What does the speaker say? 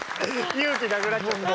勇気なくなっちゃった。